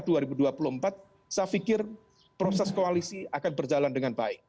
saya pikir proses koalisi akan berjalan dengan baik